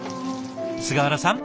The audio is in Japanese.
菅原さん